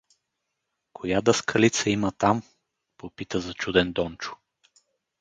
— Коя даскалица има там? — попита зачуден Дончо.